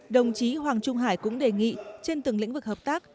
đồng chí hoàng trung hải cũng đề nghị trên từng lĩnh vực hợp tác